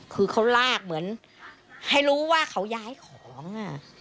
คือเค้ารากเหมือนให้รู้ว่าเค้าย้ายของอ่ะ